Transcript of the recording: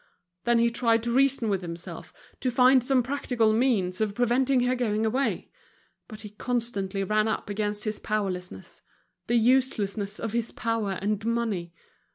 Then he tried to reason with himself, to find some practical means of preventing her going away; but he constantly ran up against his powerlessness, the uselessness of his power and money.